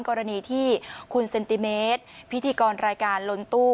กรณีที่คุณเซนติเมตรพิธีกรรายการลนตู้